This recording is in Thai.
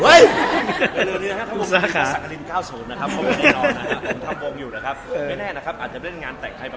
เดี๋ยวนี้นะครับผมมีสักอดิน๙๐นะครับ